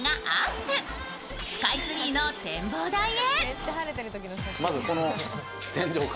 スカイツリーの展望台へ。